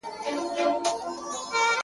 یاري سوله تر مطلبه اوس بې یاره ښه یې یاره,